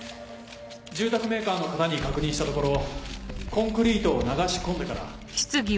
住宅メーカーの方に確認したところコンクリートを流し込んでから。